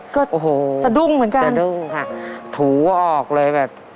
ก็สดุ้งเหมือนกันโอ้โฮสดุ้งค่ะถูออกเลยแบบ